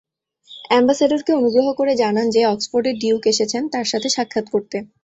অ্যাম্বাসেডরকে অনুগ্রহ করে জানান যে অক্সফোর্ডের ডিউক এসেছেন তার সাথে সাক্ষাৎ করতে।